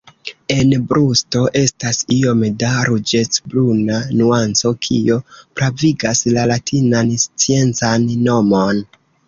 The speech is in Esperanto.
En brusto estas iom da ruĝecbruna nuanco, kio pravigas la latinan sciencan nomon.